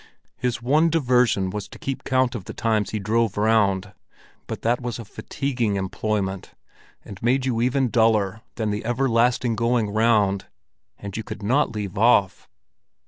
His one diversion was to keep count of the times he drove round, but that was a fatiguing employment and made you even duller than the everlasting going round, and you could not leave off.